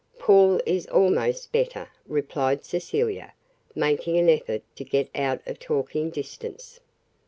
"Paul is almost better," replied Cecilia, making an effort to get out of talking distance.